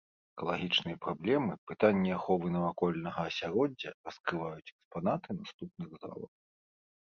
Экалагічныя праблемы, пытанні аховы навакольнага асяроддзя раскрываюць экспанаты наступных залаў.